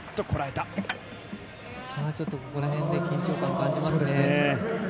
ちょっとここらへんで緊張感、感じますね。